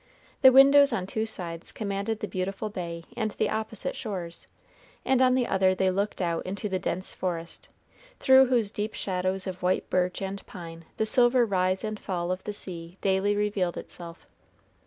The windows on two sides commanded the beautiful bay and the opposite shores, and on the other they looked out into the dense forest, through whose deep shadows of white birch and pine the silver rise and fall of the sea daily revealed itself.